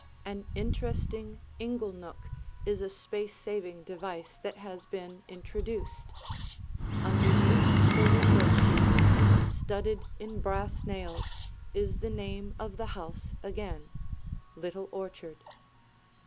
An interesting inglenook is a space saving device that has been introduced. Underneath the window seat, studded in brass nails, is the name of the house again, Little Orchard.